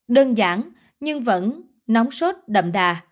đơn giản nhưng vẫn nóng sốt đậm đà